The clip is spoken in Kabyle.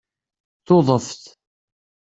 Tuḍeft